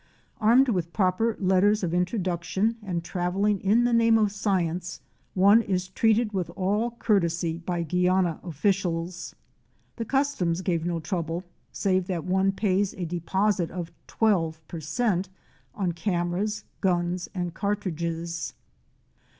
GEORGETOWN. [1s Armed with proper letters of introduction and travelling in the name of science, one is treated with all courtesy by Guiana officials. The customs give no trouble, save that one pays a deposit of twelve per cent on cameras, guns and cartridges.